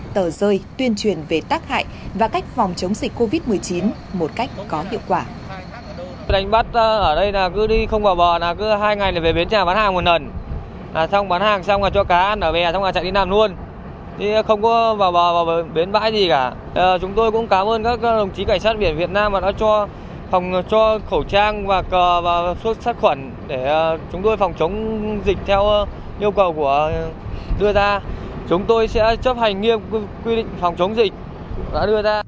tờ rơi tuyên truyền về tác hại và cách phòng chống dịch covid một mươi chín một cách có hiệu quả